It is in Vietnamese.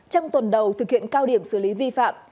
trong tuần đầu thực hiện cao điểm xử lý vi phạm